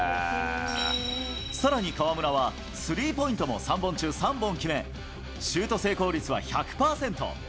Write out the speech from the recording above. さらに河村は、スリーポイントも３本中３本決め、シュート成功率は１００％。